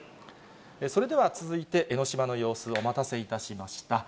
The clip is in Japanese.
それでは続いて、江の島の様子、お待たせいたしました。